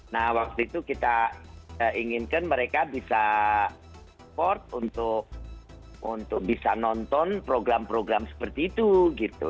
nah waktu itu kita inginkan mereka bisa support untuk bisa nonton program program seperti itu gitu